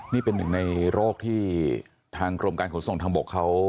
นี่เป็นหนึ่งในโรคที่ทางกรมการขนส่งทางบกเขา